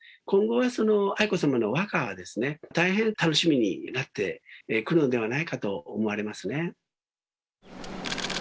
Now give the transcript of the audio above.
今後は愛子さまの和歌が大変楽しみになってくるのではないかと思われますね。